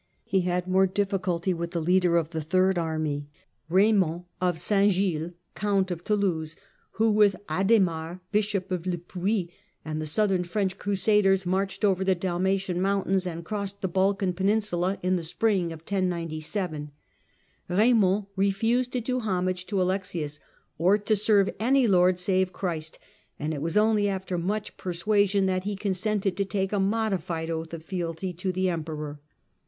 He had more difficulty with the leader of the third army, Eaymond of St Gilles, Count of Toulouse, who, with Adhemar Bishop of Le Puy and the southern French Crusaders marched over the Dalmatian mountains, and crossed the Balkan Peninsula in the spring of 1097. Eaymond refused to do homage to Alexius, or to serve any lord save Christ, and it was only after much per suasion that he consented to take a modified oath of fealty to the Emperor.